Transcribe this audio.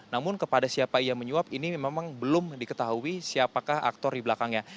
namun kepada siapa ia menyuap ini memang belum diketahui siapakah aktor di belakangnya